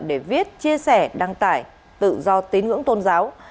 để viết chia sẻ đăng tải tự do tín ngưỡng tôn giáo